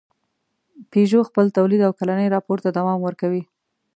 پيژو خپل تولید او کلني راپور ته دوام ورکوي.